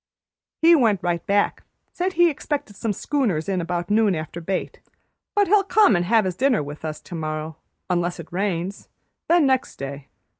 "He went right back; said he expected some schooners in about noon after bait, but he'll come an' have his dinner with us tomorrow, unless it rains; then next day.